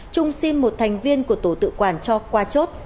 trung xin một thành viên của tổ tự quản cho qua chốt